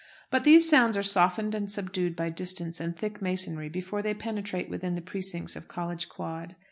But these sounds are softened and subdued by distance and thick masonry before they penetrate within the precincts of College Quad.